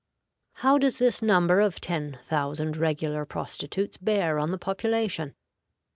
How does this number of ten thousand regular prostitutes bear on the population?